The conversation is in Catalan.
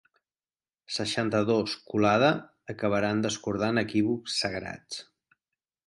Seixanta-dos culada acabaran descordant equívocs sagrats.